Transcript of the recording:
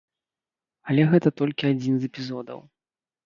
Але гэта толькі адзін з эпізодаў.